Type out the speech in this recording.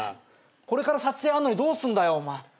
これから撮影あんのにどうすんだよお前。